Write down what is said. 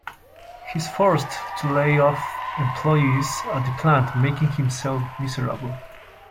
He is forced to lay off employees at the plant, making himself miserable.